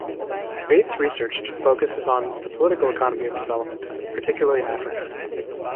Bates's research focuses on the political economy of development, particularly in Africa.